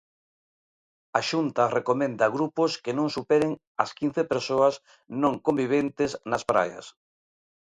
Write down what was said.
A Xunta recomenda grupos que non superen as quince persoas non conviventes nas praias.